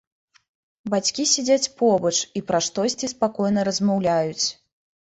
Бацькі сядзяць побач і пра штосьці спакойна размаўляюць.